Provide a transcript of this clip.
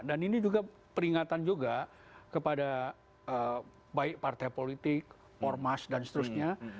dan ini juga peringatan juga kepada baik partai politik ormas dan seterusnya